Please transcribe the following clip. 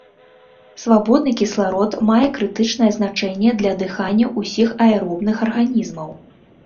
Свабодны кісларод мае крытычнае значэнне для дыхання ўсіх аэробных арганізмаў.